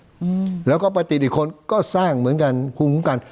อืมแล้วก็ประติดอีกคนก็สร้างเหมือนกันภูมิคุ้มกัน